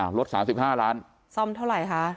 ลด๓๕ล้านซ่อมเท่าไหร่คะ